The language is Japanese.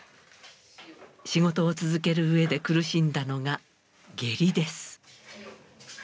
仕事を続ける上で苦しんだのが下痢です。